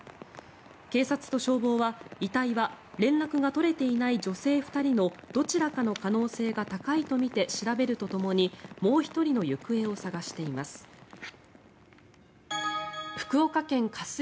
警察と消防は遺体は連絡が取れていない女性２人のどちらかの可能性が高いとみて調べるとともにもう１人の行方を捜しています。